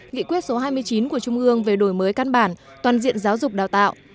nghị quyết số hai mươi chín của trung ương về đổi mới căn bản toàn diện giáo dục đào tạo